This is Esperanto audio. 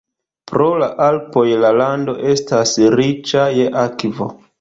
Pro la Alpoj la lando estas riĉa je akvo.